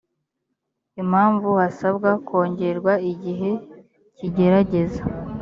impamvu hasabwa kongerwa igihe cy igerageza